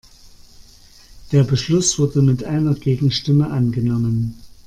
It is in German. Der Beschluss wurde mit einer Gegenstimme angenommen.